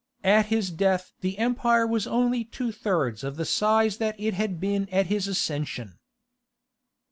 At his death the empire was only two thirds of the size that it had been at his accession.